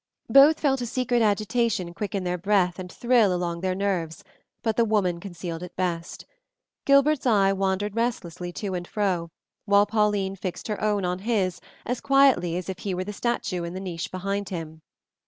Both felt a secret agitation quicken their breath and thrill along their nerves, but the woman concealed it best. Gilbert's eye wandered restlessly to and fro, while Pauline fixed her own on his as quietly as if he were the statue in the niche behind him.